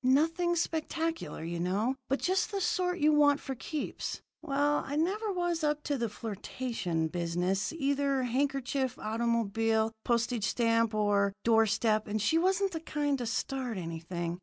Nothing spectacular, you know, but just the sort you want for keeps. Well, I never was up to the flirtation business, either handkerchief, automobile, postage stamp, or door step, and she wasn't the kind to start anything.